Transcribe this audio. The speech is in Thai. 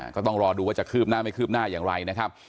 ก็ต้องรอดูว่าจะคืบหน้าไม่คืบหน้าอย่างไรนะครับ